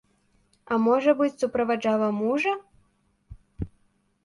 А, можа быць, суправаджала мужа?